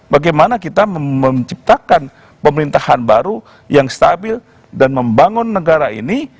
bagaimana kita menciptakan pemerintahan baru yang stabil dan membangun negara ini